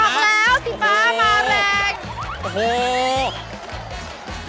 บอกแล้วสีฟ้ามาแรง